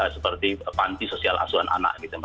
seperti panti sosial asuhan anak